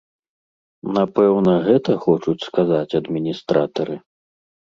Напэўна, гэта хочуць сказаць адміністратары?